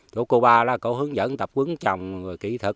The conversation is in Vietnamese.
chỗ cô ba đó cô hướng dẫn tập quấn trồng kỹ thuật